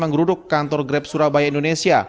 menggeruduk kantor grab surabaya indonesia